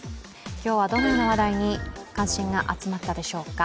今日はどのような話題に関心が集まったでしょうか。